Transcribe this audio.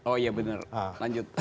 oh iya benar lanjut